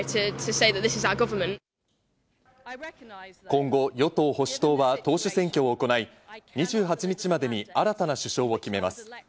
今後、与党・保守党は党首選挙を行い、２８日までに新たな首相を決めます。